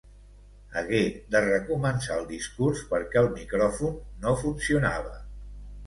Hagué de recomençar el discurs perquè el micròfon no funcionava.